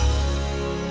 enggak bapak kencang